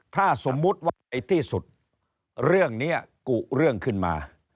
ถ้าสมมุติว่าไอ้ที่สุดเรื่องนี้กุเรื่องขึ้นมา